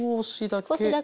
少しだけ。